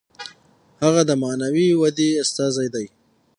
هغه د معنوي ودې استازی دی.